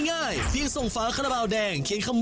สวัสดีทุกคนมา